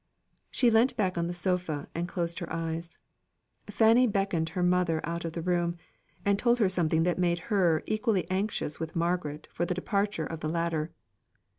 She leant back on the sofa, and closed her eyes. Fanny beckoned her mother out of the room, and told her something that made her equally anxious with Margaret for the departure of the latter.